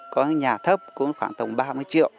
có những nhà thấp cũng khoảng tổng ba mươi triệu